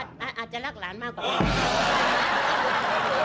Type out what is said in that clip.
คิดรักสมตำแม่แม่ต้องไปเลี้ยงหลานแม่ต้องไปเลี้ยงหลาน